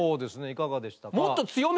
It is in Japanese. いかがでしたか？